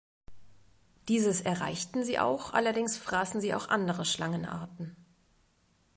Dieses erreichten sie auch, allerdings fraßen sie auch andere Schlangenarten.